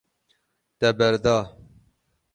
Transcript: Te berda.